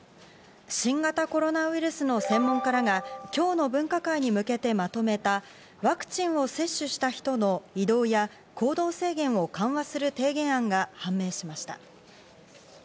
新型コロナウイルスの専門家らが今日の分科会に向けてまとめたワクチンを接種した人の移動や行動制限を緩和する提言案が判明しました。